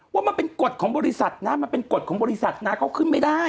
ว่ามันเป็นกฎของบริษัทนะมันเป็นกฎของบริษัทนะเขาขึ้นไม่ได้